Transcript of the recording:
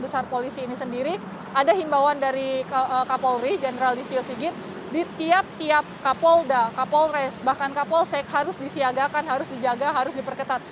di pasar polisi ini sendiri ada himbauan dari kapolri generalistio sigit di tiap tiap kapolda kapolres bahkan kapolsek harus disiagakan harus dijaga harus diperketat